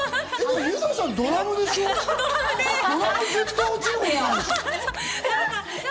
ユナさん、ドラムでしょ？